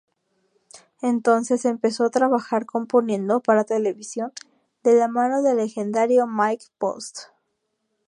Entonces empezó a trabajar componiendo para televisión de la mano del legendario Mike Post.